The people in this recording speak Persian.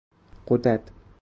غدد